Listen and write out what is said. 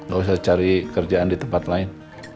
nggak usah cari kerjaan di tempat lain